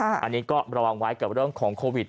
อันนี้ก็ระวังไว้กับเรื่องของโควิด